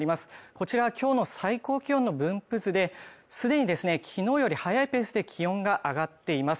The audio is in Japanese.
こちら今日の最高気温の分布図で既に昨日より早いペースで気温が上がっています。